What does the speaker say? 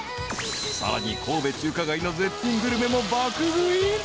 ［さらに神戸中華街の絶品グルメも爆食い？］